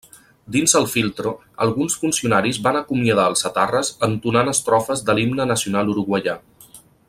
Dins el Filtro, alguns funcionaris van acomiadar als etarres entonant estrofes de l'Himne Nacional uruguaià.